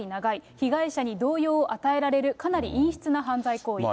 被害者に動揺を与えられるかなり陰湿な犯罪行為。